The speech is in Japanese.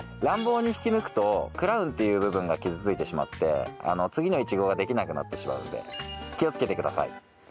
乱暴に引き抜くとクラウンという部分が傷ついてしまって次のイチゴができなくなってしまうんで気をつけてください。